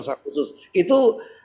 secara khusus itu